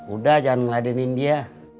udah jangan ngeladinin dia